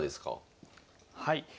はい。